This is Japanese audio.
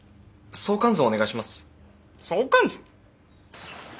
相関図！？